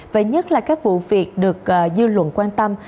và nhất là các vụ việc được dư luận quan tâm